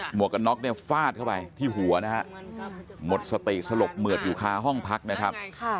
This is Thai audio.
วกกันน็อกเนี่ยฟาดเข้าไปที่หัวนะฮะหมดสติสลบเหมือดอยู่คาห้องพักนะครับ